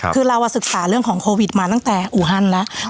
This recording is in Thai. คือเราศึกษาเรื่องของโควิดมาตั้งแต่อูฮันแล้ว